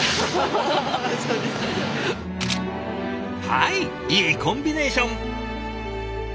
はいいいコンビネーション。